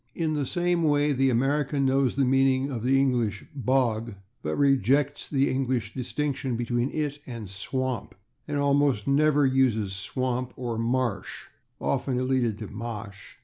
In the same way the American knows the meaning of the English /bog/, but rejects the English distinction between it and /swamp/, and almost always uses /swamp/, or /marsh/ (often elided to /ma'sh